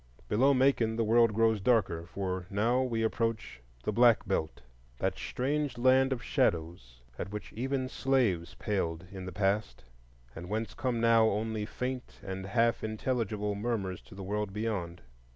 Below Macon the world grows darker; for now we approach the Black Belt,—that strange land of shadows, at which even slaves paled in the past, and whence come now only faint and half intelligible murmurs to the world beyond.